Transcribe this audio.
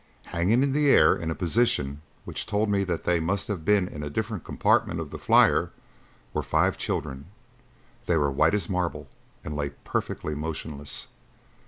Hanging in the air in a position which told me that they must have been in a different compartment of the flyer, were five children. They were white as marble, and lay perfectly motionless.